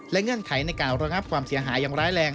เงื่อนไขในการระงับความเสียหายอย่างร้ายแรง